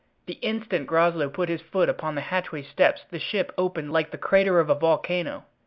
The instant Groslow put his foot upon the hatchway steps the ship opened like the crater of a volcano.